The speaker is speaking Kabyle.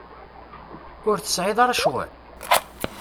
Ur tesɛiḍ ara ccɣel?